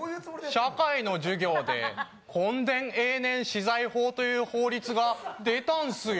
社会の授業で墾田永年私財法という法律が出たんです。